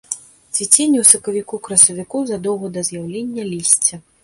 Цвіценне ў сакавіку-красавіку, задоўга да з'яўлення лісця.